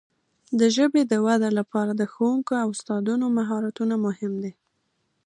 د ژبې د وده لپاره د ښوونکو او استادانو مهارتونه مهم دي.